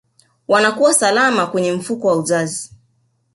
wanakuwa salama kwenye mfuko wa uzazi